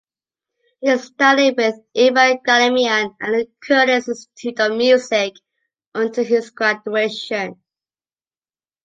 He studied with Ivan Galamian at the Curtis Institute of Music until his graduation.